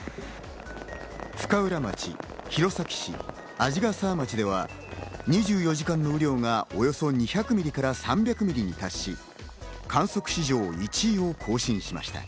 深浦町、弘前市鯵ヶ沢町では２４時間の雨量がおよそ２００ミリから３００ミリに達し、観測史上１位を更新しました。